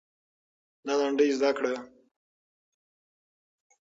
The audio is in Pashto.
دا لنډۍ زده کړه.